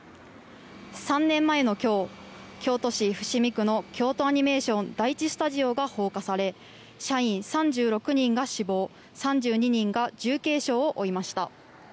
３年前の今日京都市伏見区の京都アニメーション第１スタジオが放火され社員３６人が死亡３２人が重軽傷を負いました。